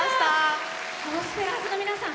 ゴスペラーズの皆さん